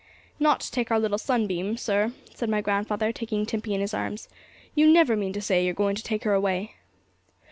'Not to take our little sunbeam, sir,' said my grandfather, taking Timpey in his arms. 'You never mean to say you're going to take her away?'